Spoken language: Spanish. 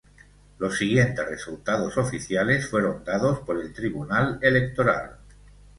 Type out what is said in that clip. Los siguientes resultados oficiales fueron dados por el Tribunal Electoral.